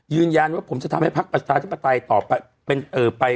เพราะฉะนั้นผมจะทำให้ภาคประชาติปฏิ